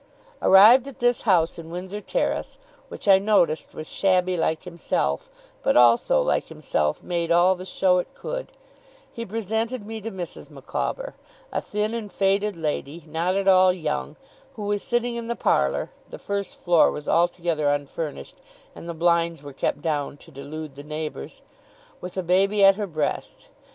Arrived at this house in Windsor Terrace (which I noticed was shabby like himself, but also, like himself, made all the show it could), he presented me to Mrs. Micawber, a thin and faded lady, not at all young, who was sitting in the parlour (the first floor was altogether unfurnished, and the blinds were kept down to delude the neighbours), with a baby at her breast.